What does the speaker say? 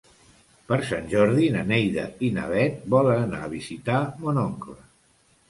Per Sant Jordi na Neida i na Bet volen anar a visitar mon oncle.